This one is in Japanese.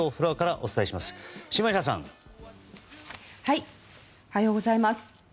おはようございます。